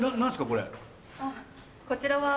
こちらは。